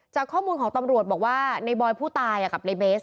จากข้อมูลของตำรวจบอกว่าในบอยผู้ตายกับในเบส